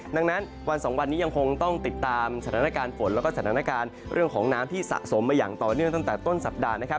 ดังนั้นวันสองวันนี้ยังคงต้องติดตามสถานการณ์ฝนแล้วก็สถานการณ์เรื่องของน้ำที่สะสมมาอย่างต่อเนื่องตั้งแต่ต้นสัปดาห์นะครับ